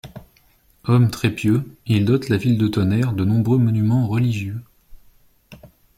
Homme très pieux, il dote la ville de Tonnerre de nombreux monuments religieux.